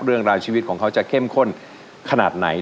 เรื่องราวชีวิตของเขาจะเข้มข้นขนาดไหน